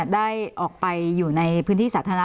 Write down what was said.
ได้ออกไปอยู่ในพื้นที่สาธารณะ